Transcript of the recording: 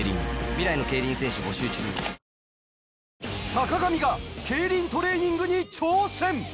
坂上が競輪トレーニングに挑戦！